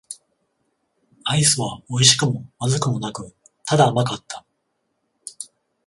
アイスは美味しくも不味くもなく、ただ甘かった。